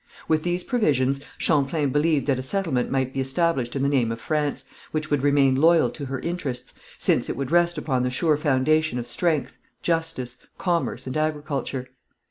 With these provisions Champlain believed that a settlement might be established in the name of France, which would remain loyal to her interests, since it would rest upon the sure foundation of strength, justice, commerce, and agriculture.